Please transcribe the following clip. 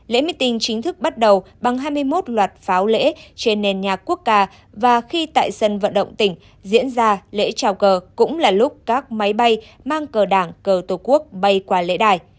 lễ meeting chính thức bắt đầu bằng hai mươi một loạt pháo lễ trên nền nhạc quốc ca và khi tại sân vận động tỉnh diễn ra lễ trào cờ cũng là lúc các máy bay mang cờ đảng cờ tổ quốc bay qua lễ đài